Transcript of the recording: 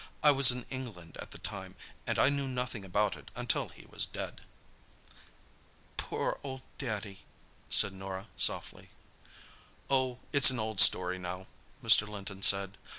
I was in England at the time, and I knew nothing about it until he was dead." "Poor old Daddy," said Norah softly. "Oh, it's an old story, now," Mr. Linton said.